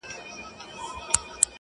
اوس به څوك تسليموي اصفهانونه٫